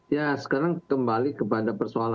ya sekarang kembali kepada persoalan